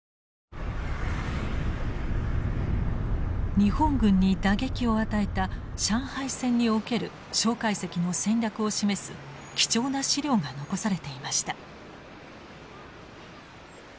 日本軍に打撃を与えた上海戦における介石の戦略を示す貴重な資料が残されていました。